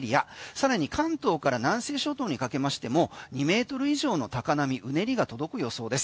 さらに関東から南西諸島にかけましても２ｍ以上の高波、うねりが届く予想です。